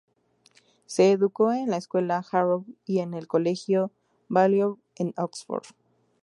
Se educó en la escuela Harrow y en el Colegio Balliol, en Oxford.